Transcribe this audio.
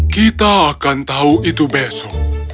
kita akan tahu itu besok